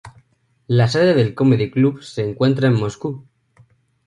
La sede de Comedy Club se encuentra en Moscú.